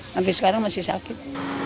habis sekarang masih sakit